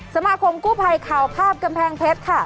สมาคมกู้ภัยข่าวภาพกำแพงเพชรค่ะ